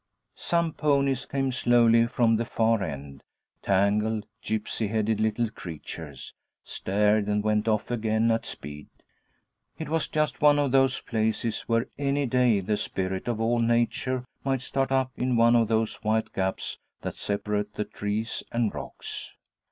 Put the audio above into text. Some ponies came slowly from the far end, tangled, gypsy headed little creatures, stared, and went off again at speed. It was just one of those places where any day the Spirit of all Nature might start up in one of those white gaps that separate the trees and rocks.